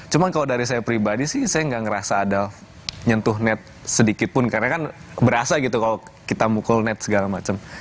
cuma kalau dari saya pribadi sih saya nggak ngerasa ada nyentuh net sedikit pun karena kan berasa gitu kalau kita mukul net segala macam